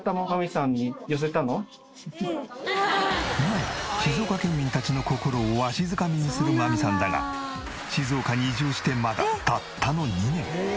今や静岡県民たちの心をわしづかみにする真実さんだが静岡に移住してまだたったの２年！